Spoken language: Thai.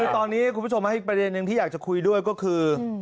คือตอนนี้คุณผู้ชมอีกประเด็นหนึ่งที่อยากจะคุยด้วยก็คือ